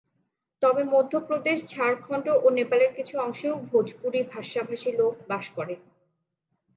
তবে মধ্য প্রদেশ, ঝাড়খণ্ড ও নেপালের কিছু অংশেও ভোজপুরি ভাষাভাষীর লোক বাস করে।